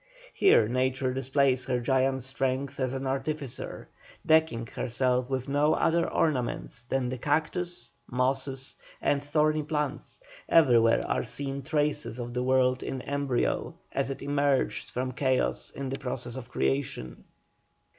Here nature displays her giant strength as an artificer, decking herself with no other ornaments than the cactus, mosses, and thorny plants; everywhere are seen traces of the world in embryo, as it emerged from chaos in the process of creation.